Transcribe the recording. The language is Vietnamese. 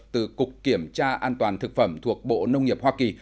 từ cục kiểm tra an toàn thực phẩm thuộc bộ nông nghiệp hoa kỳ